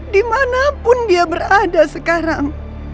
dimanapun dia berada sekarang